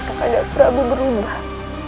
keadaan prabu berubah